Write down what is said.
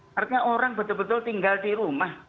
karena orang betul betul tinggal di rumah